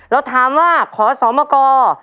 เราถามว่าขอสมกร